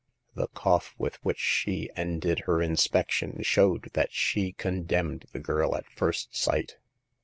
The cough with which she ended her inspection showed that she con demned the girl at first sight.